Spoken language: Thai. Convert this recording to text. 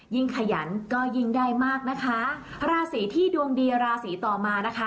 ขยันก็ยิ่งได้มากนะคะราศีที่ดวงดีราศีต่อมานะคะ